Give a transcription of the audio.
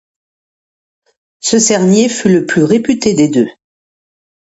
Ce cernier fut le plus réputé des deux.